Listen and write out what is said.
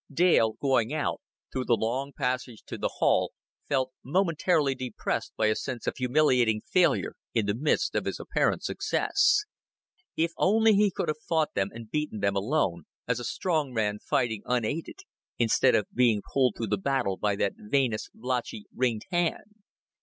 Dale going out, through the long passage to the hall, felt momentarily depressed by a sense of humiliating failure in the midst of his apparent success. If only he could have fought them and beaten them alone, as a strong man fighting unaided, instead of being pulled through the battle by that veinous, blotchy, ringed hand!